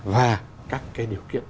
và các cái điều kiện